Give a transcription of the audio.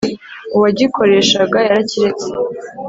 uwagikoreshaga yarakiretse.